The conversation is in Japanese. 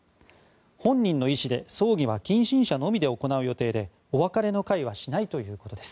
本人の意思で葬儀は近親者のみで行う予定でお別れの会はしないということです。